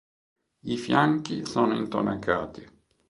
I fianchi sono intonacati.